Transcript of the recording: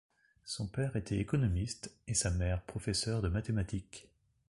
Son père était économiste et sa mère professeur de mathématiques.